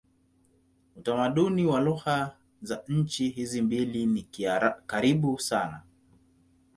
Utamaduni na lugha za nchi hizi mbili ni karibu sana.